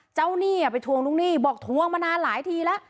หนี้ไปทวงลูกหนี้บอกทวงมานานหลายทีแล้ว